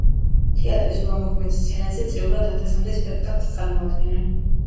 თეატრის რვა მოქმედ სცენაზე წლიურად ათასამდე სპექტაკლს წარმოადგენენ.